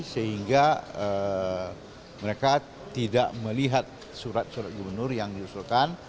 sehingga mereka tidak melihat surat surat gubernur yang diusulkan